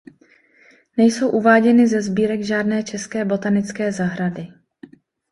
Nejsou uváděny ze sbírek žádné české botanické zahrady.